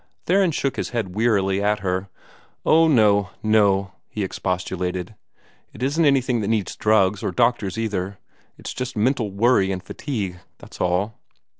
Theron shook his head wearily at her. "Oh, no, no!" he expostulated. "It isn't anything that needs drugs, or doctors either. It's just mental worry and fatigue, that's all.